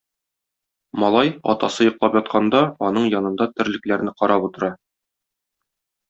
Малай, атасы йоклап ятканда, аның янында терлекләрне карап утыра.